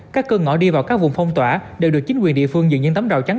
các cơn ngõ đi vào các vùng phong tỏa đều được chính quyền địa phương dựa những tấm rào chắn